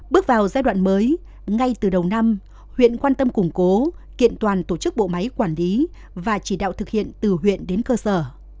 bước vào giai đoạn mới ngay từ đầu năm huyện quan tâm củng cố kiện toàn tổ chức bộ máy quản lý và chỉ đạo thực hiện từ huyện đến cơ sở